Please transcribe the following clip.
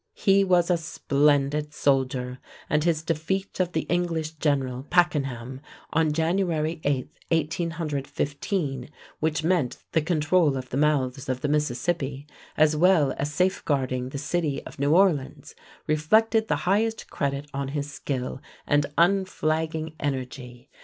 He was a splendid soldier, and his defeat of the English general, Pakenham, on January 8, 1815, which meant the control of the mouths of the Mississippi, as well as safeguarding the city of New Orleans, reflected the highest credit on his skill and unflagging energy.